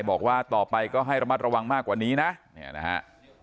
บอกว่าต่อไปก็ให้ระมัดระวังมากกว่านี้นะเนี่ยนะฮะ